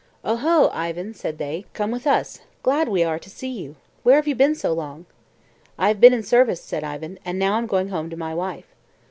"Oho! Ivan," said they, "come with us; glad are we to see you. Where have you been so long?" "I have been in service," said Ivan, "and now I'm going home to my wife."